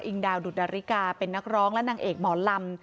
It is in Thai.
ดาวดุดดาริกาเป็นนักร้องและนางเอกหมอลำ